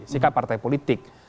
sikap partai politik